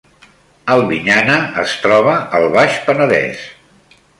Albinyana es troba al Baix Penedès